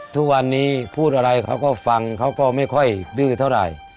ทุกวันนี้พูดอะไรเขาก็ฟังเขาก็ไม่ค่อยดื้อเท่าไหร่